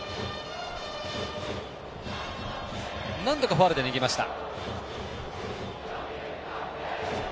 なんとかファウルで逃げました。